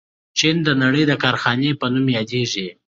چین د نړۍ د کارخانې په نوم یادیږي.